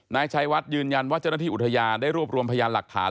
นายชัยวัดยืนยันว่าเจ้าหน้าที่อุทยานได้รวบรวมพยานหลักฐาน